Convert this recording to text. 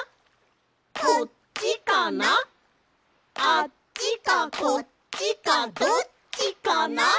あっちかこっちかどっちかな？